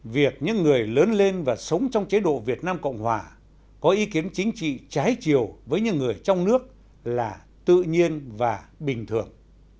việc những người lớn lên và sống trong chế độ việt nam cộng hòa có ý kiến chính trị trái chiều với những người trong nước là tự nhiên và bình thường